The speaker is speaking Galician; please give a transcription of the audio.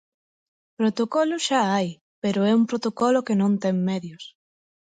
Protocolo xa hai, pero é un protocolo que non ten medios.